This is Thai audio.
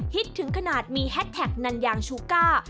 ถึงขนาดมีแฮสแท็กนันยางชูก้า